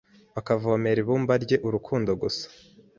bakavomera ibumba rye urukundo gusa